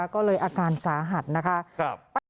ก็เลยอาการสาหัสนะคะ